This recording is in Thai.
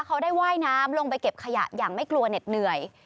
เขาได้ว่ายน้ำลงไปเก็บขยะอย่างไม่กลัวเหน็ดเหนื่อย